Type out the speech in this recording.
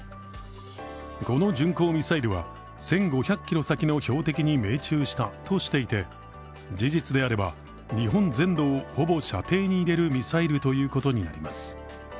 この巡航ミサイルは１５００ｋｍ先の標的に命中したとしていて事実であれば、日本全土をほぼ射程に入れるミサイルということになります。